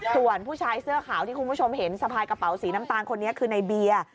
ส่วนผู้ชายเสื้อขาวที่คุณผู้ชมเห็นสะพายกระเป๋าสีน้ำตาลคนนี้คือในเบียร์